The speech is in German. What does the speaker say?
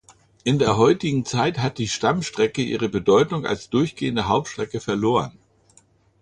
In der heutigen Zeit hat die Stammstrecke ihre Bedeutung als durchgehende Hauptstrecke verloren.